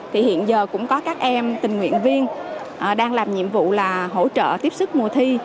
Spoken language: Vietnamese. thì hiện giờ cũng có các em tình nguyện viên đang làm nhiệm vụ là hỗ trợ tiếp sức mùa thi